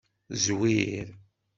Zzwir.